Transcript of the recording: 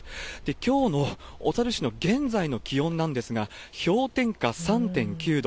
きょうの小樽市の現在の気温なんですが、氷点下３．９度。